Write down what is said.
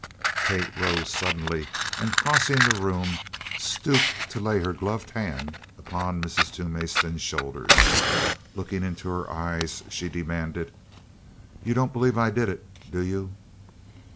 Kate rose suddenly, and crossing the room stooped to lay her gloved hand upon Mrs. Toomey's thin shoulders. Looking into her eyes she demanded: "You don't believe I did it, do you?"